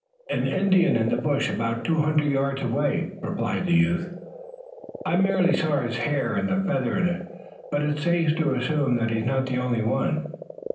"An Indian in the bush about two hundred yards away," replied the youth. "I merely saw his hair and the feather in it, but it's safe to assume that he's not the only one."